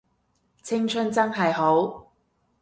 青春真係好